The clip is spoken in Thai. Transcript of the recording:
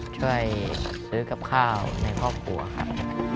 ช่วยซื้อกับข้าวในครอบครัวครับ